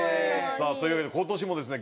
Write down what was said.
さあというわけで今年もですね